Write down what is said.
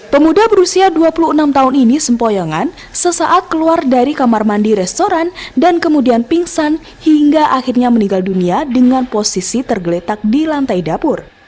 pemuda berusia dua puluh enam tahun ini sempoyongan sesaat keluar dari kamar mandi restoran dan kemudian pingsan hingga akhirnya meninggal dunia dengan posisi tergeletak di lantai dapur